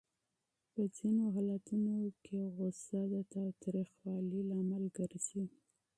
په ځینو حالتونو کې غوسه د تاوتریخوالي سبب ګرځي.